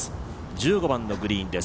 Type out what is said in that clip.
１５番のグリーンです